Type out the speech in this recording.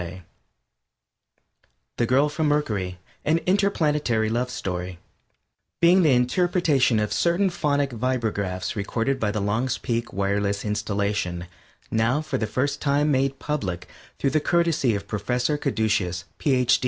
] THE GIRL FROM MERCURY AN INTERPLANETARY LOVE STORY _Being the Interpretation of Certain Phonic Vibragraphs Recorded by the Long's Peak Wireless Installation, Now for the First Time Made Public Through the Courtesy of Professor Caducious, Ph.